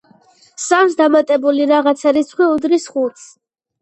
სამს დამატებული „რაღაცა“ რიცხვი უდრის ხუთს.